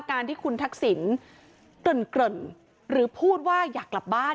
การที่คุณทักษิณเกริ่นหรือพูดว่าอยากกลับบ้าน